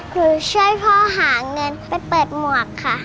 หนูช่วยพ่อหาเงินไปเปิดหมวกค่ะ